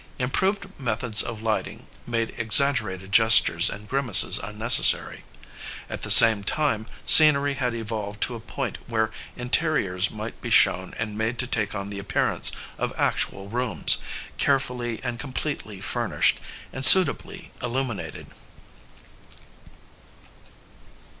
Improved methods of lighting made exaggerated gestures and grimaces unnecessary. At the same time scenery had evolved to a point where interiors might be shown and made to take on the appearance of actual rooms, carefully and completely furnished and suit ably illuminated.